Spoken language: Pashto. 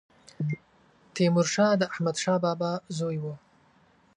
تيمورشاه د احمدشاه بابا زوی و